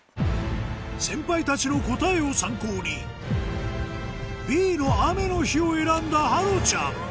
先輩たちの答えを参考にＢの「雨の日」を選んだ芭路ちゃん